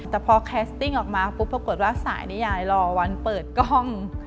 แต่พอแคสติ้งออกมาปุ๊บปรากฏว่าสายนิยายรอวันเปิดกล้อง